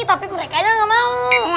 tapi mereka aja nggak mau